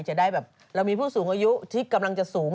จะได้แบบเรามีผู้สูงอายุที่กำลังจะสูง